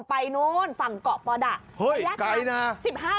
ไปนู่นฝั่งเกาะปอดะยากไกลนะ